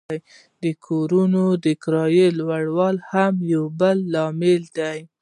د کورونو د کرایې لوړوالی هم یو بل لامل دی